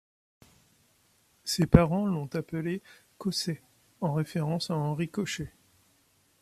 Ses parents l'ont appelé Kōsei en référence à Henri Cochet.